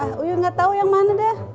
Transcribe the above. ah uya gak tau yang mana deh